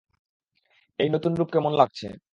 এই নতুন রূপ কেমন লাগছে?